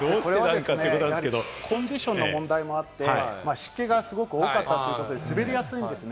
コンディションの問題もあって、湿気がすごく多かったということで滑りやすいんですね。